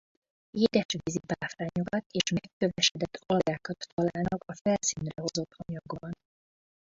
Édesvízi páfrányokat és megkövesedett algákat találtak a felszínre hozott anyagban.